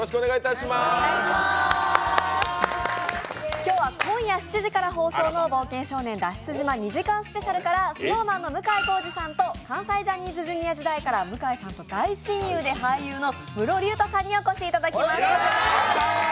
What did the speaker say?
今日は今夜７時から放送の「冒険少年脱出島２時間スペシャル」からＳｎｏｗＭａｎの向井康二さんと関西ジャニーズＪｒ．時代から向井さんと大親友で俳優の室龍太さんにお越しいただきました。